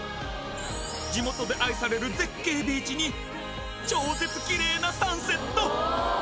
地元で愛される絶景ビーチに超絶キレイなサンセット！